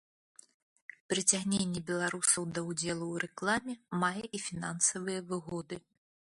Прыцягненне беларусаў да ўдзелу ў рэкламе мае і фінансавыя выгоды.